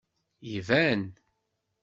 Iban!